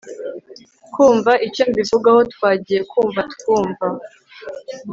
kumva icyo mbivugaho twagiye kumva twumva